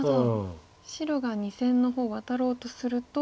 白が２線の方ワタろうとすると。